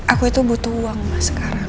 aku itu butuh uang mbak sekarang